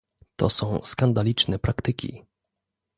To są skandaliczne praktyki